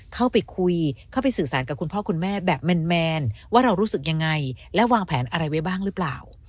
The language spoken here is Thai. เข้าไปคุยเข้าไปสื่อสารกับคุณพ่อคุณแม่แบบแมนว่าเรารู้สึกยังไงและวางแผนอะไรไว้บ้างหรือเปล่า